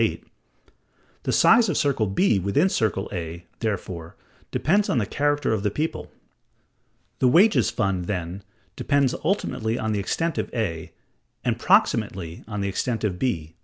VIII). The size of circle B within circle A, therefore, depends on the character of the people. The wages fund, then, depends ultimately on the extent of A, and proximately on the extent of B.